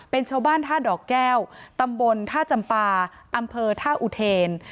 เป็นชาวบ้านท่าดอกแก้วตำบลท่าจำปาอำเภอท่าอุเทน